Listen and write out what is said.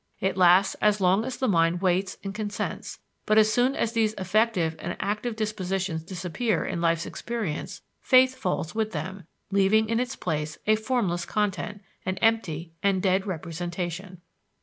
It lasts as long as the mind waits and consents; but, as soon as these affective and active dispositions disappear in life's experience, faith falls with them, leaving in its place a formless content, an empty and dead representation.